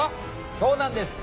そうなんです。